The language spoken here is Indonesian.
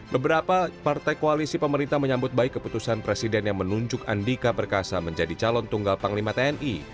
beberapa partai koalisi pemerintah menyambut baik keputusan presiden yang menunjuk andika perkasa menjadi calon tunggal panglima tni